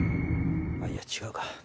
あいや違うか。